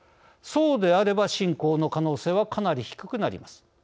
そうであれば侵攻の可能性はかなり低くなります。